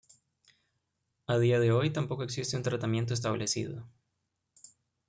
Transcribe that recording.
A día de hoy, tampoco existe un tratamiento establecido.